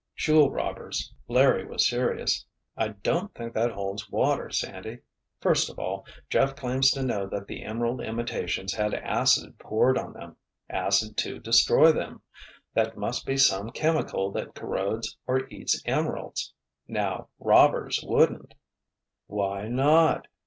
"Jewel robbers," Larry was serious. "I don't think that holds water, Sandy. First of all, Jeff claims to know that the emerald imitations had acid poured on them—acid to destroy them. That must be some chemical that corrodes or eats emeralds. Now, robbers wouldn't——" "Why not?"